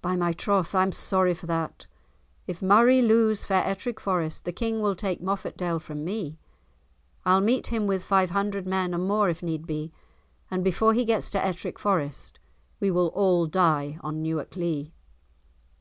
"By my troth, I am sorry for that; if Murray lose fair Ettrick Forest, the King will take Moffatdale from me. I'll meet him with five hundred men, and more if need be, and before he gets to Ettrick Forest, we will all die on Newark Lee."